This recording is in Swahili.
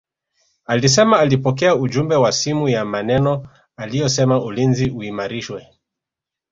Alisema alipokea ujumbe wa simu ya maneno aliyosema ulinzi uimarishwe